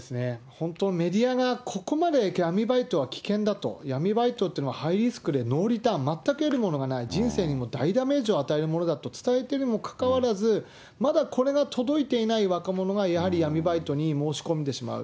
本当、メディアがここまで闇バイトは危険だと、闇バイトっていうのはハイリスクでノーリターン、全く得るものがない、人生にも大ダメージを与えるものだと伝えてるにもかかわらず、まだこれが届いていない若者がやはり闇バイトに申し込んでしまう。